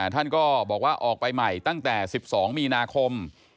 ท่านก็บอกว่าออกไปใหม่ตั้งแต่๑๒มีนาคม